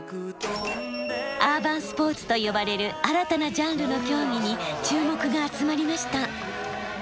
「アーバンスポーツ」と呼ばれる新たなジャンルの競技に注目が集まりました。